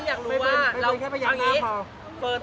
ทางที่บ้านอยากรู้นะ